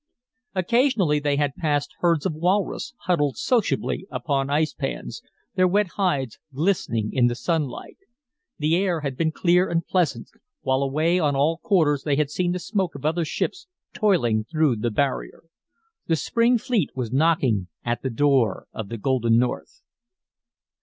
Occasionally they had passed herds of walrus huddled sociably upon ice pans, their wet hides glistening in the sunlight. The air had been clear and pleasant, while away on all quarters they had seen the smoke of other ships toiling through the barrier. The spring fleet was knocking at the door of the Golden North.